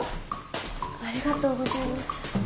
ありがとうございます。